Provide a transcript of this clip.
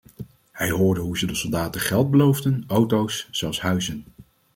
Hij hoorde hoe ze de soldaten geld beloofden, auto’s, zelfs huizen.